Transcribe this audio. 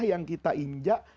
yang kita injak